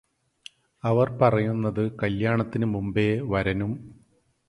അവർ പറയുന്നത് കല്യാണത്തിനു മുമ്പേ വരനും